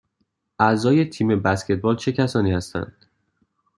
اعضای تیم بسکتبال چه کسانی هستند؟